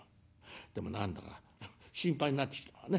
でも何だか心配になってきたわね。